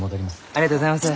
ありがとうございます。